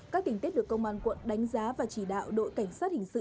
các tình tiết được công an quận đánh giá và chỉ đạo đội cảnh sát hình sự